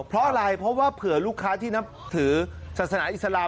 เพราะอะไรเพราะว่าเผื่อลูกค้าที่นับถือศาสนาอิสลาม